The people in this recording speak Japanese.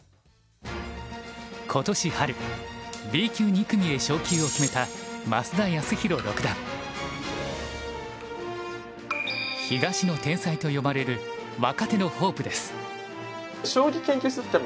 今年春Ｂ級２組へ昇級を決めた増田康宏六段。と呼ばれる若手のホープです。